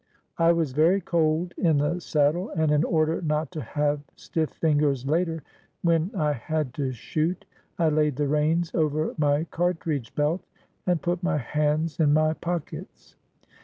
I was very cold in the saddle, and, in order not to have stiff fingers later, when I had to shoot, I laid the reins over my cartridge belt and put my hands in my pockets.